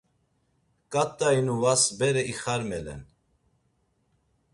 K̆at̆a inuvas bere ixarmelen.